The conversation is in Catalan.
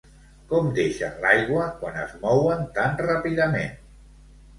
Com deixen l'aigua, quan es mouen tan ràpidament?